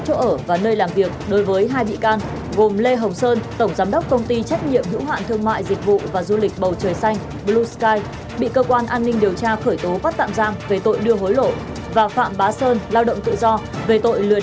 hãy đăng ký kênh để ủng hộ kênh của chúng mình nhé